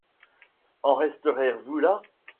En resterez-vous là?